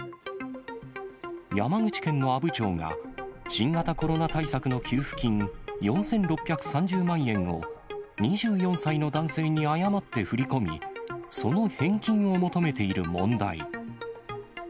山口県阿武町が、新型コロナ対策の給付金４６３０万円を、２４歳の男性に誤って振り込み、その返金を求めている問題。